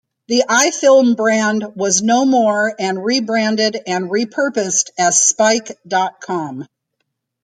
The iFilm brand was no more and re-branded and re-purposed as Spike dot com.